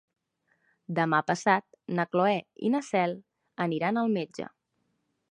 Demà passat na Cloè i na Cel aniran al metge.